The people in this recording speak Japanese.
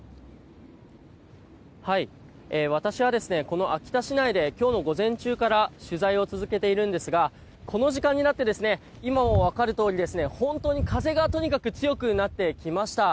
私は、この秋田市内で今日の午前中から取材を続けているんですがこの時間になって今も分かるとおり、本当に風がとにかく強くなってきました。